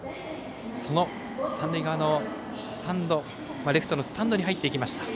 その三塁側のレフトのスタンドに入っていきました。